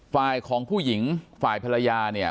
ฝ่ายของผู้หญิงฝ่ายภรรยาเนี่ย